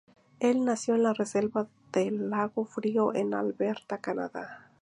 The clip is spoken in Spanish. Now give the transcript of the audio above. Él nació en la reserva del lago frío en Alberta, Canadá.